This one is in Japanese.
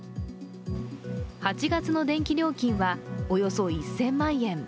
８月の電気料金はおよそ１０００万円。